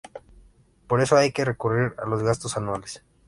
Por eso hay que recurrir a los gastos anuales.